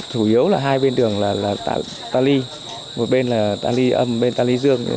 chủ yếu là hai bên đường là tà ly một bên là tà ly âm một bên là tà ly dương